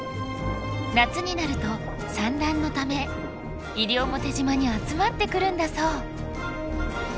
夏になると産卵のため西表島に集まってくるんだそう。